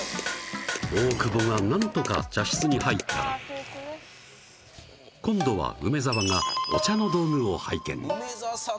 大久保がなんとか茶室に入ったら今度は梅沢がお茶の道具を拝見梅沢さん